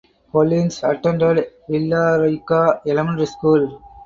Collins attended Villa Rica Elementary School.